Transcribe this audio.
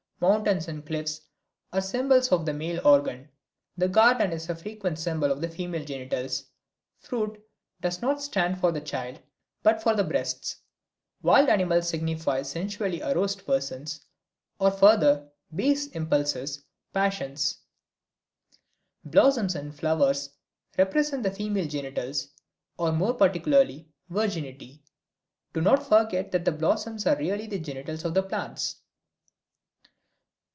Mountains and cliffs are symbols of the male organ; the garden a frequent symbol of the female genitals. Fruit does not stand for the child, but for the breasts. Wild animals signify sensually aroused persons, or further, base impulses, passions. Blossoms and flowers represent the female genitals, or more particularly, virginity. Do not forget that the blossoms are really the genitals of the plants.